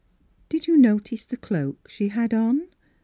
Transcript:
" Did you notice the cloak she had on?